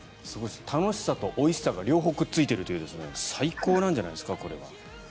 楽しさとおいしさが両方くっついているという最高なんじゃないですかこれは。